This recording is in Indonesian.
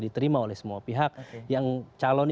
diterima oleh semua pihak yang calon